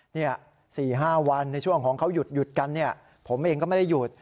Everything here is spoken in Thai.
๔๕วันในช่วงของเขาหยุดกันเนี่ยผมเองก็ไม่ได้หยุด